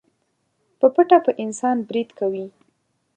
په پټه په انسان بريد کوي.